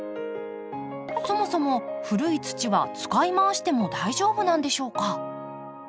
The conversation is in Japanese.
そもそも古い土は使いまわしても大丈夫なんでしょうか？